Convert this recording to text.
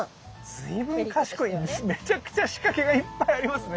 随分賢いめちゃくちゃ仕掛けがいっぱいありますね。